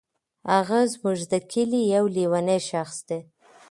هغه زمونږ دي کلې یو لیونی شخص دی.